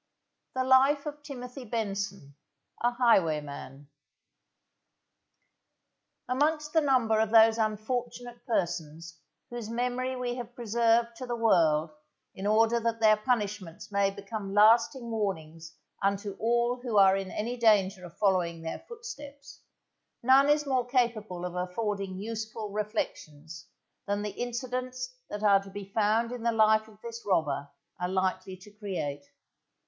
The Life of TIMOTHY BENSON, a Highwayman Amongst the number of those unfortunate persons whose memory we have preserved to the world in order that their punishments may become lasting warnings unto all who are in any danger of following their footsteps, none is more capable of affording useful reflections than the incidents that are to be found in the life of this robber are likely to create.